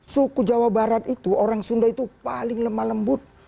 suku jawa barat itu orang sunda itu paling lemah lembut